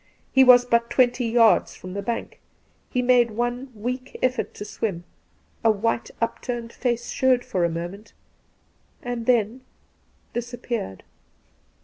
He was but twenty yards from the bank ; he made one weak effort to swim — a white upturned face showed for a moment and then disappeared.